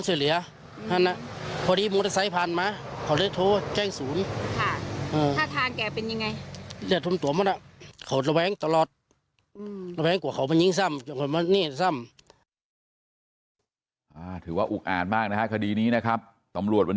พี่เฉลิมทุนตัวมาแล้วเขาระแวงตลอด